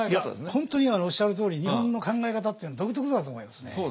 本当におっしゃるとおり日本の考え方って独特だと思いますね。